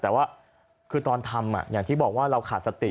แต่ว่าคือตอนทำอย่างที่บอกว่าเราขาดสติ